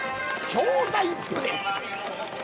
「兄弟船」